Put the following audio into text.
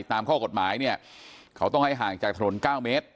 ตามข้อกฎหมายเนี่ยเขาต้องให้ห่างจากถนน๙เมตร